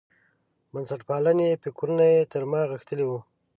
بنسټپالنې فکرونه یې تر ما غښتلي وو.